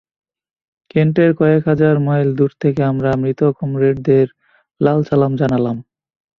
কেন্টের কয়েক হাজার মাইল দূর থেকে আমরা মৃত কমরেডদের লাল সালাম জানালাম।